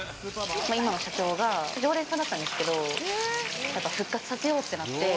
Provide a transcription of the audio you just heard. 今の社長が常連さんだったんですけど復活させようってなって。